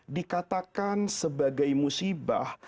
dikatakan sebagai musibah